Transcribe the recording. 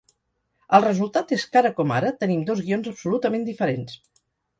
El resultat és que, ara com ara, tenim dos guions absolutament diferents.